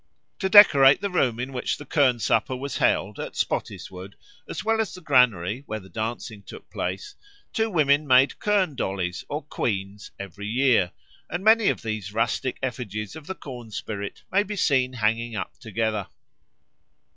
To decorate the room in which the kirn supper was held at Spottiswoode as well as the granary, where the dancing took place, two women made kirn dollies or Queens every year; and many of these rustic effigies of the corn spirit might be seen hanging up together.